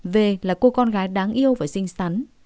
về là cô con gái đáng yêu và xinh xắn